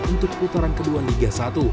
untuk putaran kedua liga satu